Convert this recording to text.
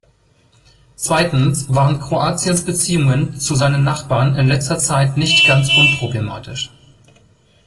Zweitens waren Kroatiens Beziehungen zu seinen Nachbarn in letzter Zeit nicht ganz unproblematisch.